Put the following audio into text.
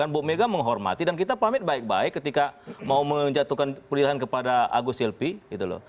bu mega menghormati dan kita pamit baik baik ketika mau menjatuhkan pilihan kepada agus silpi gitu loh